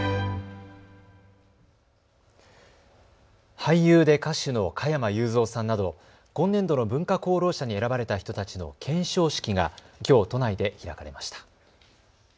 俳優で歌手の加山雄三さんなど今年度の文化功労者に選ばれた人たちの顕彰式が、きょう都内で開かれました。